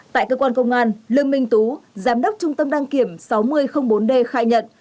tại cơ quan công an lương minh tú giám đốc trung tâm đăng kiểm sáu nghìn bốn d khai nhận